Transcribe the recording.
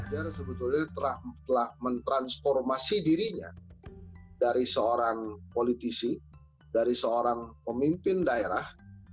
ganjar sebetulnya telah mentransformasi dirinya dari seorang politisi dari seorang pemimpin daerah